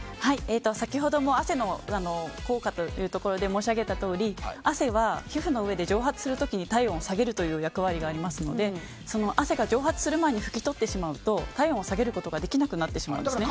先ほども汗の効果というところで申し上げたとおり汗は皮膚の上で蒸発する時に体温を下げる役割がありますのでその汗が蒸発する前に拭き取ってしまうと体温を下げることができなくなってしまうんです。